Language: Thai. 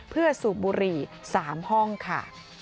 เพื่อสูบบุหรี่๓ห้องค่ะ